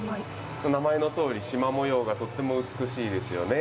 名前のとおり、しま模様がとっても美しいですよね。